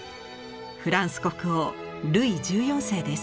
フランス国王ルイ１４世です。